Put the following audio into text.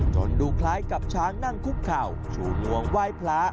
ดูคล้ายกับช้างนั่งคุกเข่าชูงวงไหว้พระ